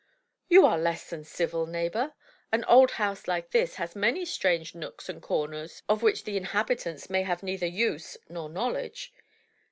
"You are less than civil, neighbor. An old house like this has many strange nooks and comers of which the inhabitants may have neither use nor knowledge.